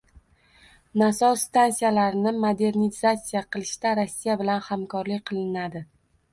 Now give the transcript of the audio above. Nasos stansiyalarini modernizatsiya qilishda Rossiya bilan hamkorlik qilinadi